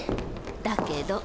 だけど。